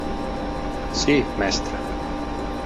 Sí, mestre.